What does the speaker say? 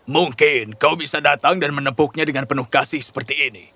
mungkin kau bisa datang dan menepuknya dengan penuh kasih seperti ini